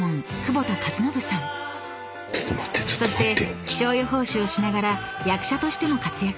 ［そして気象予報士をしながら役者としても活躍する］